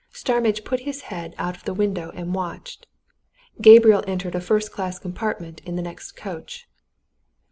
Starmidge put his head out of the window and watched Gabriel entered a first class compartment in the next coach.